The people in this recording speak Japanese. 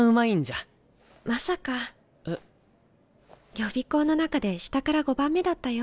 予備校の中で下から５番目だったよ。